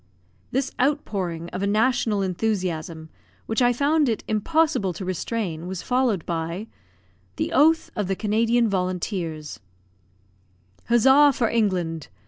This outpouring of a national enthusiasm, which I found it impossible to restrain, was followed by THE OATH OF THE CANADIAN VOLUNTEERS Huzza for England!